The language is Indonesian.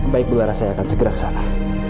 baik bulan saya akan segera kesana